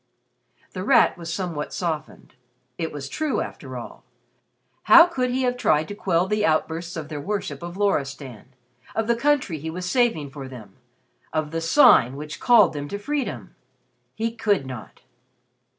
The Rat was somewhat softened. It was true, after all. How could he have tried to quell the outbursts of their worship of Loristan of the country he was saving for them of the Sign which called them to freedom? He could not.